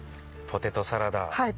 ポテトサラダ。